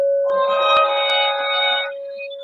آیا ګرمي تر یخنۍ ځوروونکې ده؟